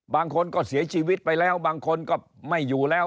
บางคนก็เสียชีวิตไปแล้วบางคนก็ไม่อยู่แล้ว